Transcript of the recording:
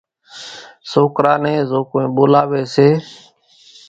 سوڪرا نين زو ڪونئين ٻولاوي سي